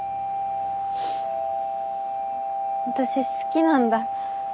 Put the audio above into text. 私好きなんだ